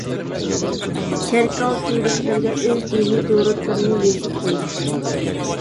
چېركاۋ تۈۋرۈكلىرىگە ئۆز دىنىي دۇرۇتلىرىنى يېزىپ قويدى.